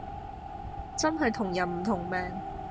真係同人唔同命